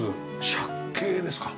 借景ですか？